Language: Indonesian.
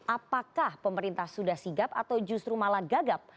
apakah pemerintah sudah sigap atau justru malah gagap